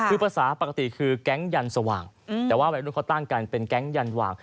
คือภาษาปกติคือแก๊งยันสว่างแต่ว่าวัยรุ่นเขาตั้งกันเป็นแก๊งยันหว่าง